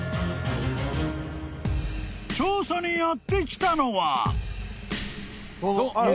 ［調査にやって来たのは］